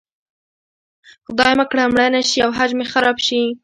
خدای مه کړه مړه نه شي او حج مې خراب شي.